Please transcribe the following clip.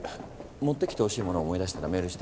持ってきてほしいものを思い出したらメールして。